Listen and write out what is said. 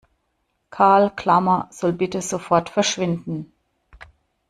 Karl Klammer soll bitte sofort verschwinden!